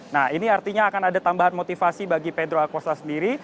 nah ini artinya akan ada tambahan motivasi bagi pedro acosta sendiri